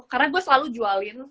karena gue selalu jualin